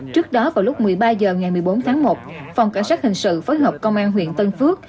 trước đó vào lúc một mươi ba h ngày một mươi bốn tháng một phòng cảnh sát hình sự phối hợp công an huyện tân phước